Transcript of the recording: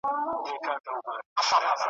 د یاجوجو د ماجوجو دېوالونه به نړېږي `